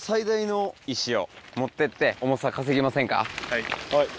はい。